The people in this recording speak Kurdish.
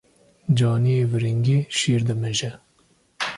Caniyê viringî şîr dimije.